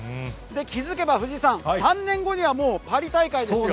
気付けば藤井さん、３年後にはもう、パリ大会ですよ。